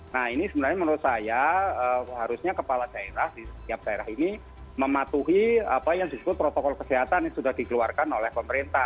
nah ini sebenarnya menurut saya harusnya kepala daerah di setiap daerah ini mematuhi apa yang disebut protokol kesehatan yang sudah dikeluarkan oleh pemerintah